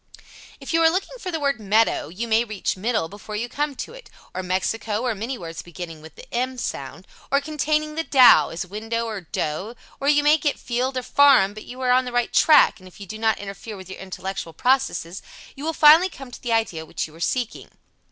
If you are looking for the word "meadow" you may reach "middle" before you come to it, or "Mexico," or many, words beginning with the "m" sound, or containing the "dow", as window, or "dough," or you may get "field" or "farm" but you are on the right track, and if you do not interfere with your intellectual process you will finally come to the idea which you are seeking.